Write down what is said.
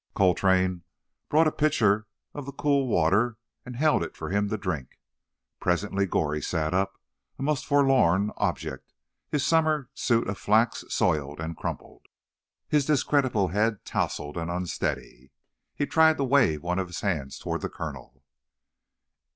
Coltrane brought a pitcher of the cool water, and held it for him to drink. Presently Goree sat up—a most forlorn object, his summer suit of flax soiled and crumpled, his discreditable head tousled and unsteady. He tried to wave one of his hands toward the colonel.